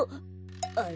あれ？